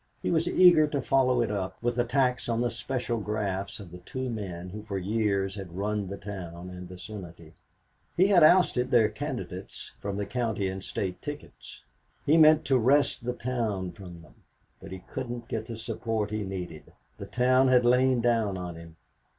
He was eager to follow it up with attacks on the special grafts of the two men who for years had run the town and vicinity. He had ousted their candidates from the County and State tickets. He meant to wrest the town from them, but he couldn't get the support he needed. The town had lain down on him.